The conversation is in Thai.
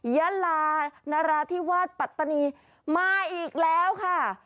ยาลานราธิวาสปัตตานีมาอีกแล้วค่ะ